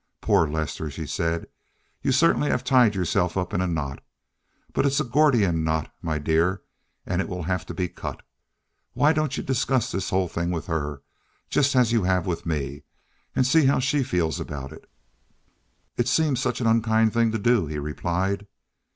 "Poor Lester," she said. "You certainly have tied yourself up in a knot. But it's a Gordian knot, my dear, and it will have to be cut. Why don't you discuss this whole thing with her, just as you have with me, and see how she feels about it?" "It seems such an unkind thing to do," he replied.